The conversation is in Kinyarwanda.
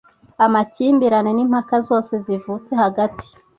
Amakimbirane n impaka zose zivutse hagati